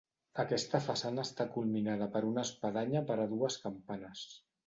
Aquesta façana està culminada per una espadanya per a dues campanes.